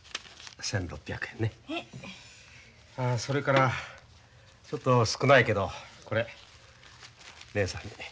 それからちょっと少ないけどこれねえさんに。